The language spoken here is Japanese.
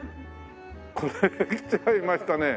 これ来ちゃいましたね。